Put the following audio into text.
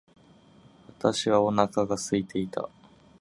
私はお腹が空いていた。